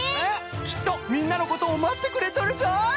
きっとみんなのことをまってくれとるぞい！